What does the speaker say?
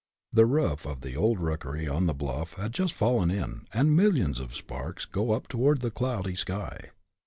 The roof of the old rookery on the bluff has just fallen in, and millions of sparks go up toward the cloudy sky.